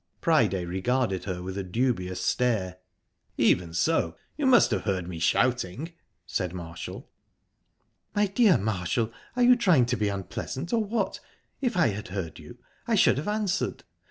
Priday regarded her with a dubious stare. "Even so, you must have heard me shouting," said Marshall. "My dear Marshall, are you trying to be unpleasant, or what? If I had heard you, I should have answered.